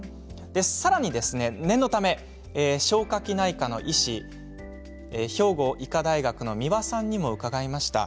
さらに念のため消化器内科の医師兵庫医科大学の三輪さんにも伺いました。